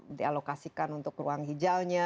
mereka di lokasikan untuk ruang hijaunya